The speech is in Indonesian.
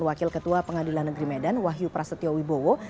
wakil ketua pengadilan negeri medan wahyu prasetyo wibowo